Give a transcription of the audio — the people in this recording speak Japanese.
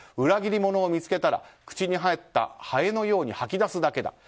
裏切り者を見つけたら口に入ったハエのように吐き出すだけだ。